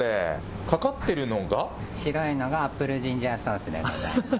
かかってるのが白いのがアップルジンジャーソース。